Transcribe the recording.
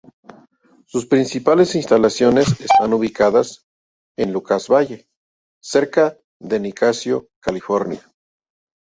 Sus principales instalaciones están ubicadas en Lucas Valley, cerca de Nicasio, California.